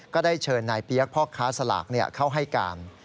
ก็ได้เชิญนายเปี๊ยกพ่อค้าสลากเข้าให้การ